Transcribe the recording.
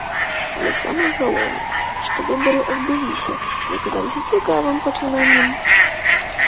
Але самае галоўнае, што выбары адбыліся, і аказаліся цікавым пачынаннем.